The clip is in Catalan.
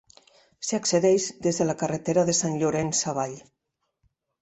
S'hi accedeix des de la carretera de Sant Llorenç Savall.